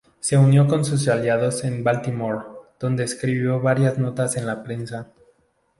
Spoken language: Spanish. Se unió con sus aliados en Baltimore, donde escribió varias notas en la prensa.